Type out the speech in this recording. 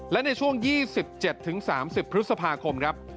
และในช่วง๒๗๓๐พฤษภาคมครับ